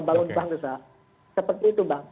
bangun bang desa seperti itu bang